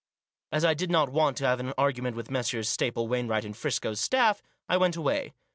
As I did not want to have an argument with Messrs. Staple, Wainwright and Friscoe's staff, I went away.